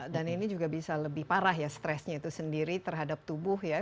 dan ini juga bisa lebih parah ya stresnya itu sendiri terhadap tubuh ya